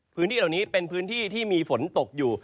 พื้นที่เหล่านี้เป็นพื้นที่ที่มีฝนตกอยู่